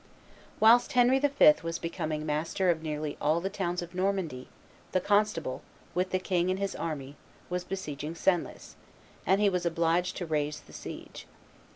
Whilst Henry V. was becoming master of nearly all the towns of Normandy, the constable, with the king in his army, was besieging Senlis; and he was obliged to raise the siege.